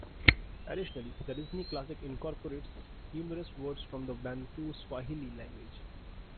Additionally, the Disney classic incorporates numerous words from the Bantu Swahili language.